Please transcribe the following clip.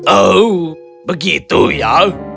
oh begitu ya